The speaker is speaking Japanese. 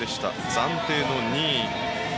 暫定の２位。